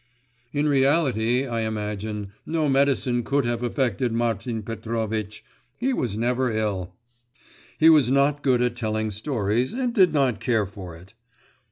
In reality, I imagine, no medicine could have affected Martin Petrovitch. He was never ill. He was not good at telling stories, and did not care for it.